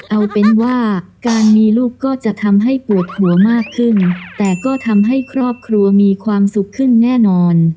เอาเป็นว่าการมีลูกก็จะทำให้ปวดหัวมากขึ้นแต่ก็ทำให้ครอบครัวมีความสุขขึ้นแน่นอน